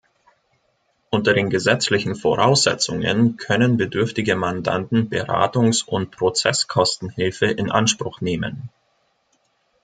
Unter den gesetzlichen Voraussetzungen können bedürftige Mandanten Beratungs- und Prozesskostenhilfe in Anspruch nehmen.